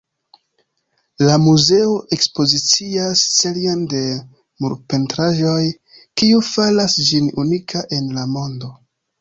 La muzeo ekspozicias serion de murpentraĵoj kiu faras ĝin unika en la mondo.